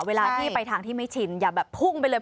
เวลาที่ไปทางที่ไม่ชินอย่าแบบพุ่งไปเลย